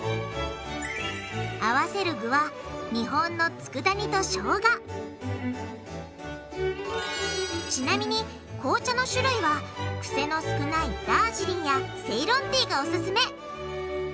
合わせる具は日本の佃煮としょうがちなみに紅茶の種類はクセの少ないダージリンやセイロンティーがオススメ！